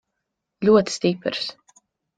Ļoti stiprs.